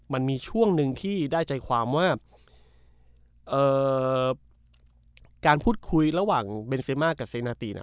มันมีช่วงหนึ่งที่ได้ใจความว่าการพูดคุยระหว่างเบนเซมากับเซนาตี